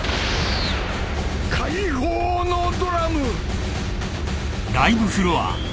解放のドラム！